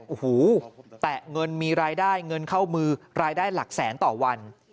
โอ้โหแตะเงินมีรายได้เงินเข้ามือรายได้หลักแสนต่อวัน